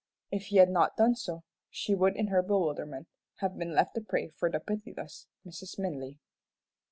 If he had not done so, she would in her bewilderment have been left a prey for the pitiless Mrs. Minley.